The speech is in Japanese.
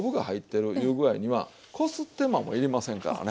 いう具合にはこす手間もいりませんからね。